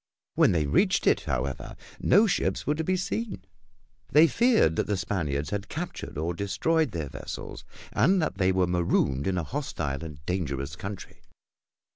When they reached it, however, no ships were to be seen. They feared that the Spaniards had captured or destroyed their vessels and that they were marooned in a hostile and dangerous country.